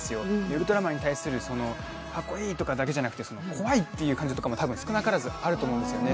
ウルトラマンに対する、かっこいいというだけじゃなくて怖いという感情とかも少なからずあると思うんですよね。